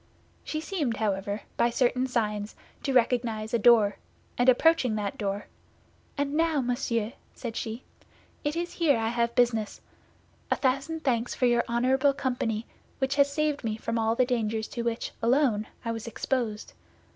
She seemed, however, by certain signs, to recognize a door, and approaching that door, "And now, monsieur," said she, "it is here I have business; a thousand thanks for your honorable company, which has saved me from all the dangers to which, alone, I was exposed.